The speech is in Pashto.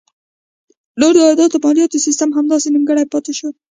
نو د عایداتو او مالیاتو سیسټم همداسې نیمګړی پاتې شو.